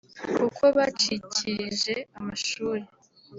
kuko bacikirije amashuri